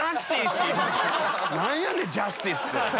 何やねんジャスティス！って。